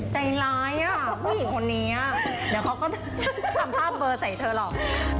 ใจร้ายอ่ะผู้หญิงคนนี้เดี๋ยวเขาก็ทำภาพเบอร์ใส่เธอหรอก